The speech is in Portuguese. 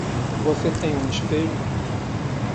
Você tem um espelho?